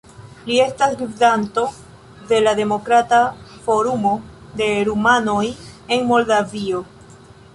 Li estas gvidanto de la Demokrata Forumo de Rumanoj en Moldavio.